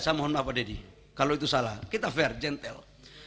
saya mohon maaf pak deddy kalau itu salah kita fair gentel